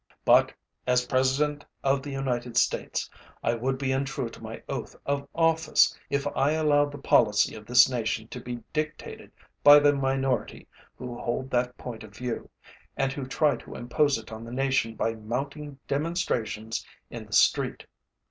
But as President of the United States, I would be untrue to my oath of office if I allowed the policy of this nation to be dictated by the minority who hold that point of view and who try to impose it on the nation by mounting demonstrations in the street.